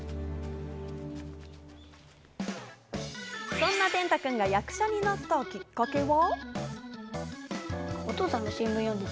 そんな天嵩君が役者になったきっかけは。